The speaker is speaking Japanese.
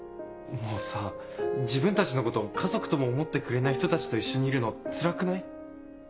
もうさ自分たちのことを家族とも思ってくれない人たちと一緒にいるのつらくない？